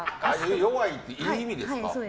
弱いっていい意味ですか？